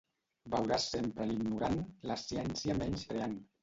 Veuràs sempre l'ignorant la ciència menyspreant.